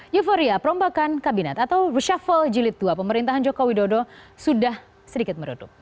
euphoria perombakan kabinet atau reshuffle jilid tua pemerintahan jokowi dodo sudah sedikit meredup